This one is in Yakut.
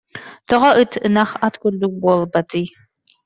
Тоҕо ыт, ынах, ат курдук буолбатый